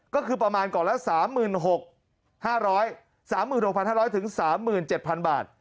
ก็คือประมาณกล่องละ๓๖๕๐๐๓๗๐๐บาท